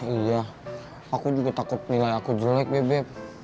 iya aku juga takut nilai aku jelek bebek